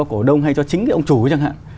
cổ đông hay cho chính ông chủ chẳng hạn